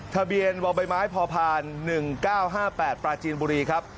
ทะเบียนว่าใบไม้พอพานหนึ่งเก้าห้าแปดปลาจีนบุรีครับ